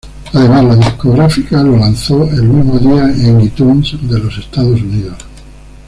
Además, la discográfica lo lanzó el mismo día en iTunes de los Estados Unidos.